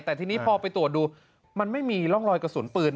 แต่ทีนี้พอไปตรวจดูมันไม่มีร่องรอยกระสุนปืน